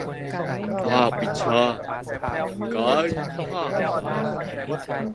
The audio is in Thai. กายวิภาคศาสตร์